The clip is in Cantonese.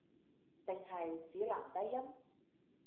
定係指男低音